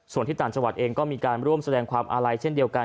ส่วนที่ต่างจังหวัดเองก็มีการร่วมแสดงความอาลัยเช่นเดียวกัน